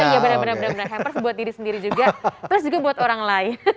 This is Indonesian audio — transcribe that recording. iya benar benar hampers buat diri sendiri juga plus juga buat orang lain